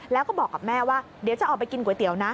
แล้วก็บอกกับแม่ว่าเดี๋ยวจะออกไปกินก๋วยเตี๋ยวนะ